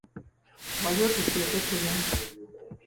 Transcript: Wali otuuseeko e Kenya?